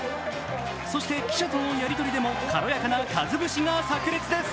そして、記者とのやりとりでも軽やかなカズ節がさく裂です。